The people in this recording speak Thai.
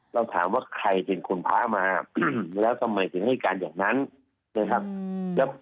เราถามว่าใครเป็นคนพามาแล้วทำไมถึงให้การอย่างนั้นนะครับ